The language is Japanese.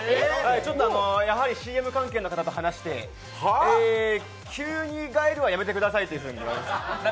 やはりＣＭ関係の方と話して、急にガイルはやめてくださいと言われまして。